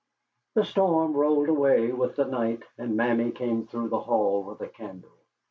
The storm rolled away with the night, and Mammy came through the hall with a candle.